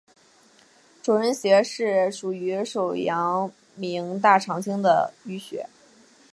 肘髎穴是属于手阳明大肠经的腧穴。